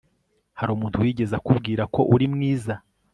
Hari umuntu wigeze akubwira ko uri mwiza